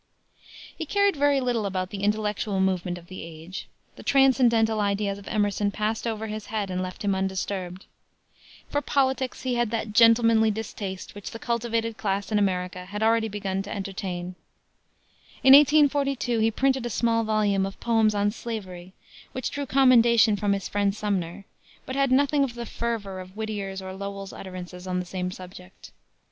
He cared very little about the intellectual movement of the age. The transcendental ideas of Emerson passed over his head and left him undisturbed. For politics he had that gentlemanly distaste which the cultivated class in America had already begun to entertain. In 1842 he printed a small volume of Poems on Slavery, which drew commendation from his friend Sumner, but had nothing of the fervor of Whittier's or Lowell's utterances on the same subject.